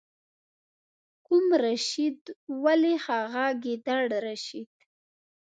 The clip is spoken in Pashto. کوم رشید؟ ولې هغه ګیدړ رشید.